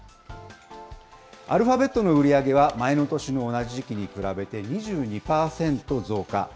アルファベットの売り上げは前の年の同じ時期に比べて２２％増加。